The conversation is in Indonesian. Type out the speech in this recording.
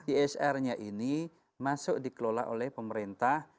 isr nya ini masuk dikelola oleh pemerintah